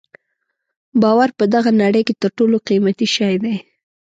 باور په دغه نړۍ کې تر ټولو قیمتي شی دی.